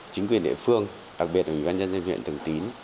chính quyền địa phương đặc biệt là ủy ban nhân dân huyện thường tín